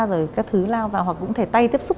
rồi các thứ lao vào hoặc cũng thể tay tiếp xúc